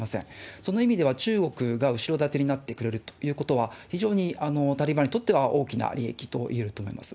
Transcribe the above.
その意味では、中国が後ろ盾になってくれるということは、非常にタリバンにとっては大きな利益といえると思います。